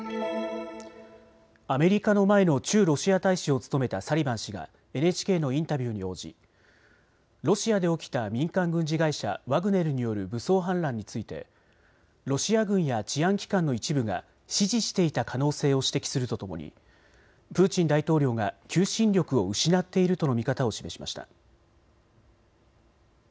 アメリカの前の駐ロシア大使を務めたサリバン氏がＮＨＫのインタビューに応じロシアで起きた民間軍事会社ワグネルによる武装反乱についてロシア軍や治安機関の一部が支持していた可能性を指摘するとともにプーチン大統領が求心力を失っているとの見方を示しました。